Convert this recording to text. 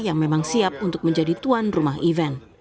yang memang siap untuk menjadi tuan rumah event